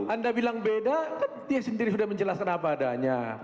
anda bilang beda kan dia sendiri sudah menjelaskan apa adanya